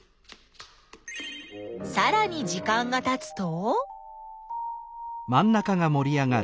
さらに時間がたつと。